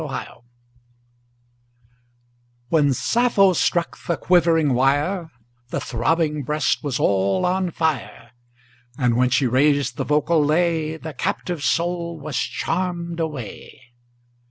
1 When Sappho struck the quivering wire, The throbbing breast was all on fire; And when she raised the vocal lay, The captive soul was charm'd away!